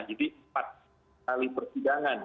jadi empat kali persidangan